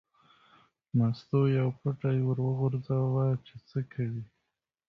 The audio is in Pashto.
مستو یو پوټی ور وغورځاوه چې څه کوي.